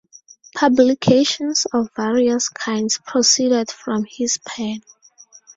Publications of various kinds proceeded from his pen.